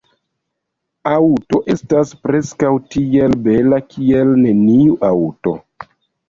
Aŭto estas preskaŭ tiel bela kiel neniu aŭto.